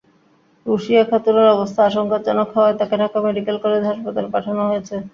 রুশিয়া খাতুনের অবস্থা আশঙ্কাজনক হওয়ায় তাঁকে ঢাকা মেডিকেল কলেজ হাসপাতালে পাঠানো হয়েছে।